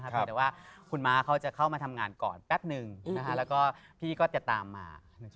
แต่ว่าคุณม้าเขาจะเข้ามาทำงานก่อนแป๊บนึงแล้วก็พี่ก็จะตามมา